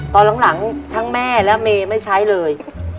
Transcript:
ตอนหลังทั้งแม่และเมย์ไม่ใช้เลย